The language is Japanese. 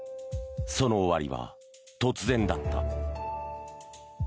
その終わりは突然だった。